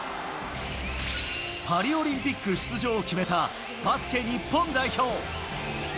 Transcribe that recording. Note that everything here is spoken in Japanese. パリオリンピック出場を決めた、バスケ日本代表。